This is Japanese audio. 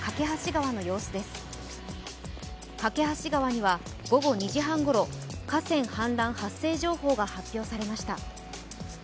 梯川橋には午後２時半ごろ、河川氾濫発生情報が発表されました。